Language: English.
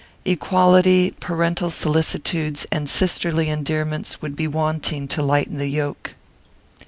Equality, parental solicitudes, and sisterly endearments, would be wanting to lighten the yoke.